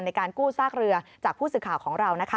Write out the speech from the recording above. ในการกู้ซากเรือจากผู้สื่อข่าวของเรา